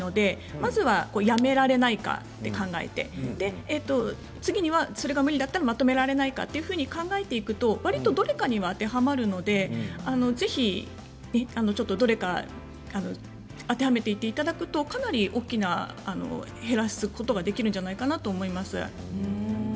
まずはやめられないかと考えて次にはそれが無理だったらまとめられないかと考えていくとわりとどれかには当てはまっていきますのでぜひどれか当てはめていっていただくとかなり大きく減らすことができるんじゃないか